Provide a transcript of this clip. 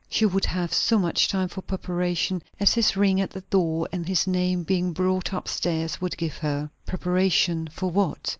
She would have so much time for preparation as his ring at the door and his name being brought up stairs would give her. Preparation for what?